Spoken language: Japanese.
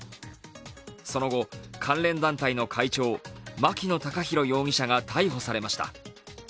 その後、関連団体の会長、牧野孝広容疑者が逮捕されました。